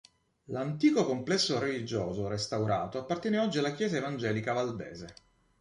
L'antico complesso religioso, restaurato, appartiene oggi alla Chiesa Evangelica Valdese.